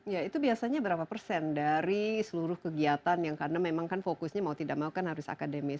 ya itu biasanya berapa persen dari seluruh kegiatan yang karena memang kan fokusnya mau tidak mau kan harus akademis